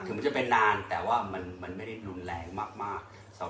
ถึงมันจะเป็นนานแต่ไม่รุนแรงมาก